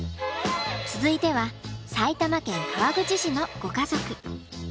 続いては埼玉県川口市のご家族。